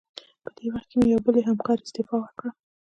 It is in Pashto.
په دې وخت کې مې یوې بلې همکارې استعفا ورکړه.